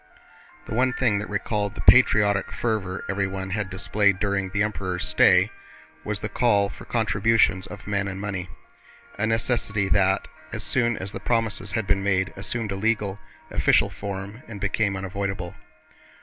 The one thing that recalled the patriotic fervor everyone had displayed during the Emperor's stay was the call for contributions of men and money, a necessity that as soon as the promises had been made assumed a legal, official form and became unavoidable.